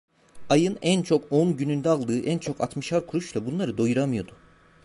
Ayın en çok on gününde aldığı en çok altmışar kuruşla bunları doyuramıyordu.